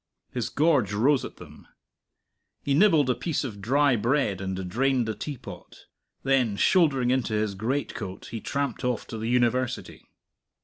His gorge rose at them. He nibbled a piece of dry bread and drained the teapot; then shouldering into his greatcoat, he tramped off to the University.